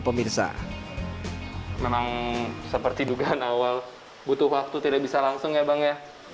pemirsa memang seperti dugaan awal butuh waktu tidak bisa langsung ya bang ya